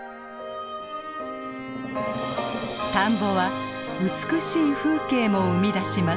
田んぼは美しい風景も生み出します。